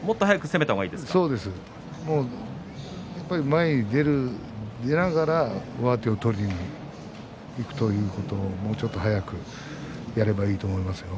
前に出ながら上手を取りにいくということをもうちょっと早くやればいいと思いますよ。